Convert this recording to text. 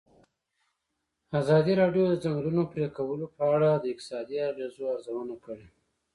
ازادي راډیو د د ځنګلونو پرېکول په اړه د اقتصادي اغېزو ارزونه کړې.